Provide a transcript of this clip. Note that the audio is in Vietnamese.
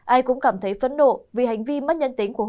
ai cũng cảm thấy phấn nộ